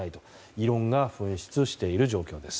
異論が噴出している状況です。